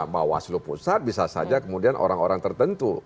bawaslu pusat bisa saja kemudian orang orang tertentu